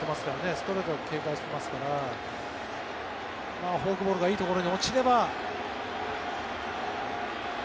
ストレートを警戒してますからフォークボールがいいところに落ちれば。